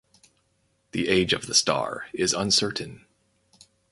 The age of the star is uncertain.